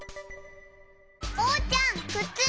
おうちゃんくつ！